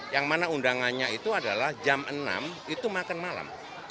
yang mana undangannya itu adalah jam enam itu makan malam